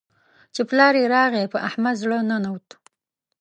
چې پلار يې راغی؛ په احمد زړه ننوت.